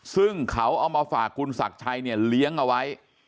ซึ่งเขาเอามาฝากคุณศักดิ์ชัยเนี่ยเลี้ยงเอาไว้